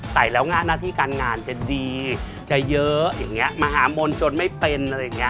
ใส่แล้วงานหน้าที่การงานจะดีจะเยอะมหาโมนจนไม่เป็น